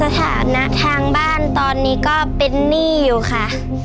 สถานะทางบ้านตอนนี้ก็เป็นหนี้อยู่ค่ะ